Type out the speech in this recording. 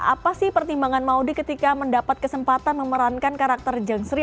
apa sih pertimbangan maudie ketika mendapat kesempatan memerankan karakter jeng sri